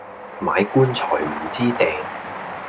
買棺材唔知埞